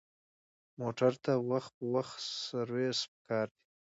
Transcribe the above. موټر ته وخت په وخت سروس پکار دی.